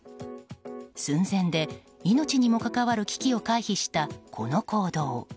寸前で命にも関わる危機を回避したこの行動。